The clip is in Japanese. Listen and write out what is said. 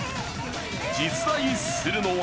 実在するのは。